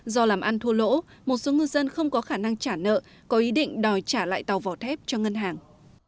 do làm ăn thua lỗ một số ngư dân không có khả năng trả nợ có ý định đòi trả lại tàu vỏ thép cho ngân hàng